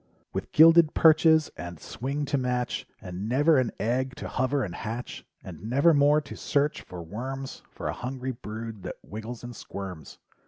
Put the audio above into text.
With gilded perches and swing to match, And never an egg to hover and hatch. And nevermore to search for worms For a hungry brood that wriggles and squirms.